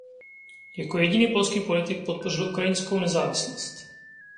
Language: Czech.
Jako jediný polský politik podpořil ukrajinskou nezávislost.